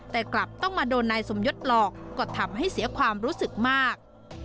แต่กลับต้องมาโดนนายสมยศหลอกก็ทำให้เสียความรู้สึกมาก